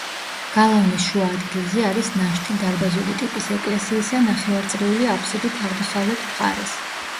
გალავნის შუა ადგილზე არის ნაშთი დარბაზული ტიპის ეკლესიისა ნახევარწრიული აფსიდით აღმოსავლეთ მხარეს.